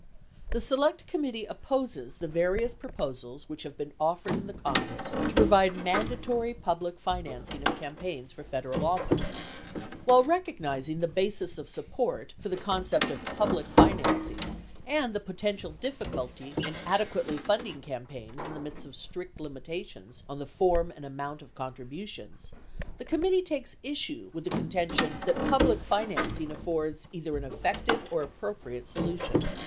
The Select Committee opposes the various proposals which have been offered in the Congress to provide mandatory public financing of campaigns for Federal office. While recognizing the basis of support for the concept of public financing and the potential difficulty in ade quately funding campaigns in the midst of strict limitations on the form and amount of contributions, the committee takes issue with the contention that public financing affords either an effective or appro priate solution.